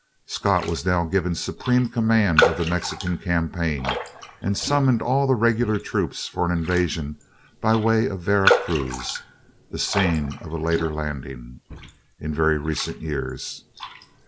Scott was now given supreme command of the Mexican campaign, and summoned all the regular troops for an invasion by way of Vera Cruz the scene of a later landing, in very recent years.